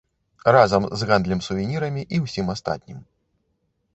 Разам з гандлем сувенірамі і ўсім астатнім.